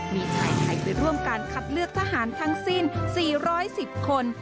มีชายไทยไปร่วมการคัดเลือกทหารทั้งสิ้น๔๑๐คน